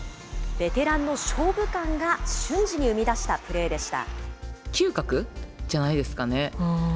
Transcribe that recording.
ベテランの勝負勘が瞬時に生み出したプレーでした。